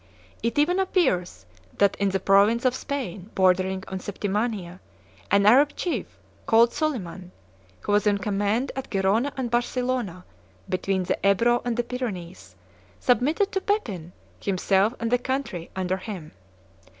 It even appears that, in the province of Spain bordering on Septimania, an Arab chief, called Soliman, who was in command at Gerona and Barcelona, between the Ebro and the Pyrenees, submitted to Pepin, himself and the country under him.